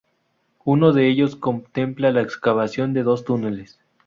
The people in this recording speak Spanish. Uno de ellos contempla la excavación de dos túneles.